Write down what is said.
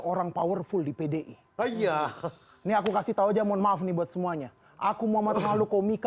orang powerful di pdi ayah nih aku kasih tahu aja mohon maaf nih buat semuanya aku mau melalui komika